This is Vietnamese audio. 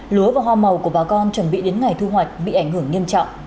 lúa và hoa màu của bà con chuẩn bị đến ngày thu hoạch bị ảnh hưởng nghiêm trọng